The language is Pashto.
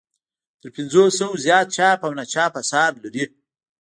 تر پنځو سوو زیات چاپ او ناچاپ اثار لري.